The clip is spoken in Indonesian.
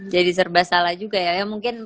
jadi serba salah juga ya mungkin